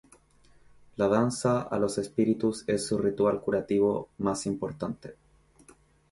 La danza a los espíritus es su ritual curativo más importante.